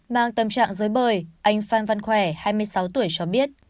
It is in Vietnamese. mang tâm trạng dối bời anh phan văn khỏe hai mươi sáu tuổi cho biết